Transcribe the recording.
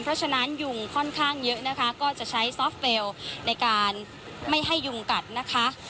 เพราะฉะนั้นยุงค่อนข้างเยอะนะคะก็จะใช้ซอฟเวลในการไม่ให้ยุงกัดนะคะ